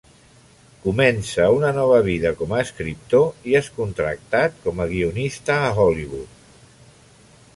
Comença una nova vida com a escriptor i és contractat com a guionista a Hollywood.